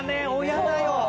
親だよ。